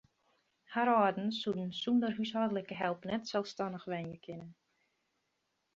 Har âlden soene sûnder húshâldlike help net selsstannich wenje kinne.